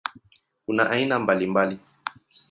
Kuna aina mbalimbali.